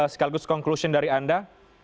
sekaligus conclusion dari anda